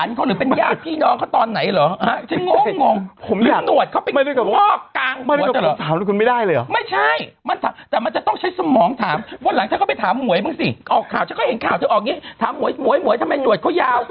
เดี๋ยวก่อนนะดูสามารถเพียงเจอกันว่า